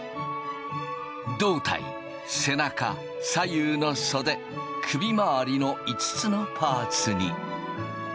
胴体背中左右の袖首回りの５つのパーツに。